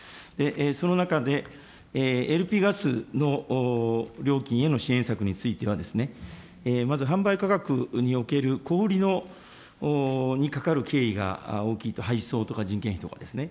その中で、ＬＰガスの料金への支援策については、まず販売価格における小売りにかかる経費が大きいと、配送とか人件費とかですね。